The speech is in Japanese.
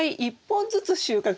１本ずつ収穫。